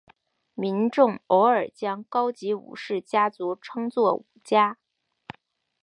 民众偶尔将高级武士家族称作武家。